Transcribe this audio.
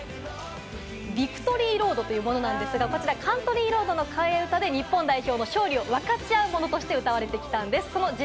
ビクトリーロードというものなんですが、『カントリー・ロード』の替え歌で、日本代表の勝利を分かち合うものとして歌われてきたんです。